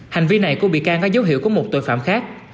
hành vi này của bị can có dấu hiệu của một tội phạm khác